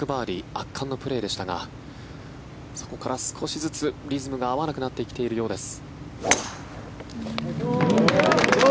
圧巻のプレーでしたがそこから少しずつリズムが合わなくなってきているようです。